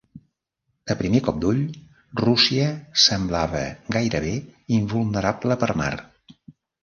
A primer cop d'ull, Rússia semblava gairebé invulnerable per mar.